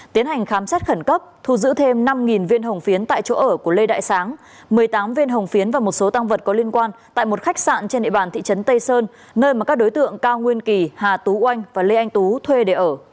tiến hành khám xét khẩn cấp thu giữ thêm năm viên hồng phiến tại chỗ ở của lê đại sáng một mươi tám viên hồng phiến và một số tăng vật có liên quan tại một khách sạn trên địa bàn thị trấn tây sơn nơi mà các đối tượng cao nguyên kỳ hà tú oanh và lê anh tú thuê để ở